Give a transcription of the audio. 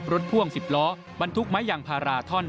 พ่วง๑๐ล้อบรรทุกไม้ยางพาราท่อน